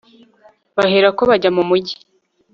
baherako bajya mu mugi